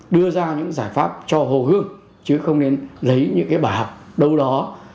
đưa ra những giải pháp cho hồ hương chứ không nên lấy những cái bài học đâu đó